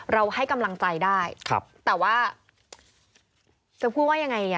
ให้กำลังใจได้แต่ว่าจะพูดว่ายังไง